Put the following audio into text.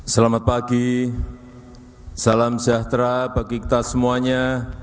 selamat pagi salam sejahtera bagi kita semuanya